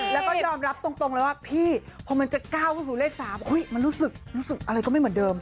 แล้วก็ยอมรับตรงเลยว่าพี่พอมันจะก้าวเข้าสู่เลข๓มันรู้สึกอะไรก็ไม่เหมือนเดิม